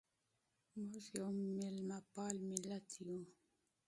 موږ یو مېلمه پال ملت یو.